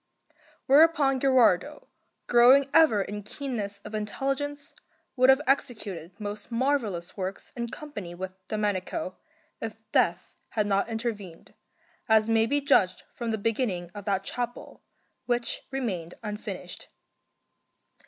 Whereupon Gherardo, growing ever in keenness of intelligence, would have executed most marvellous works in company with Domenico, if death had not intervened, as may be judged from the beginning of that chapel, which remained unfinished.